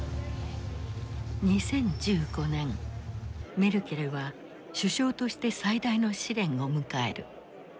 メルケルは首相として最大の試練を迎える。